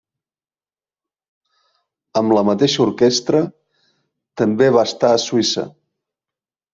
Amb la mateixa orquestra, també va estar a Suïssa.